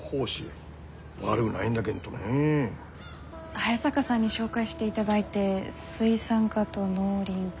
早坂さんに紹介していただいて水産課と農林課